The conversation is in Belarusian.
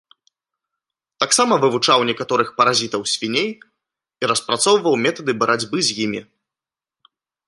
Таксама вывучаў некаторых паразітаў свіней і распрацоўваў метады барацьбы з імі.